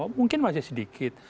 mungkin masih sedikit